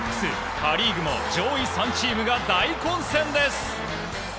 パ・リーグも上位３チームが大混戦です。